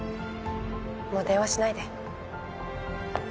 もう電話しないで。